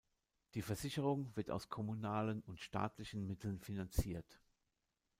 Die Versicherung wird aus kommunalen und staatlichen Mitteln finanziert.